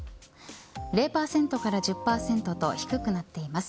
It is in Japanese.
０％から１０％と低くなっています。